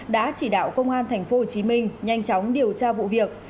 đã chỉ đạo công an tp hcm nhanh chóng điều tra vụ việc